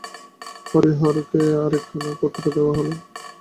হরিহরকে আর একখানা পত্র দেওয়া হইল।